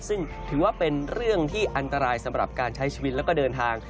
ซึ่งถือว่าเป็นเรื่องที่อันตรายสำหรับการใช้ชีวิตแล้วก็เดินทาง